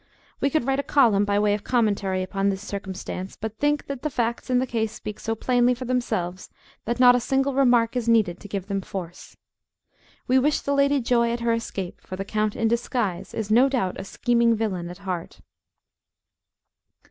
We could write a column by way of commentary upon this circumstance, but think that the facts in the case speak so plainly for themselves, that not a single remark is needed to give them force. We wish the lady joy at her escape, for the count in disguise is no doubt a scheming villain at heart."